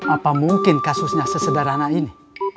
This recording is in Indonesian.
apa mungkin kasusnya sesederhana ini